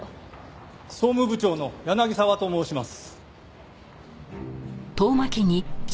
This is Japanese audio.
総務部長の柳沢と申します。